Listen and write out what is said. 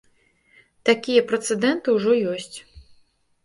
Такія прэцэдэнты ужо ёсць.